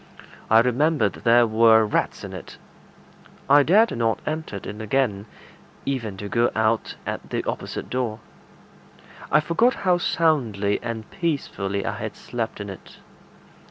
I remembered there were rats in it. I dared not enter it again, even to go out at the opposite door: I forgot how soundly and peacefully I had slept in it.